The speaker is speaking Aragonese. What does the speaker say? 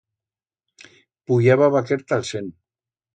Puyaba vaquer ta'l Sen.